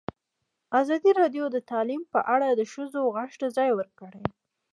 ازادي راډیو د تعلیم په اړه د ښځو غږ ته ځای ورکړی.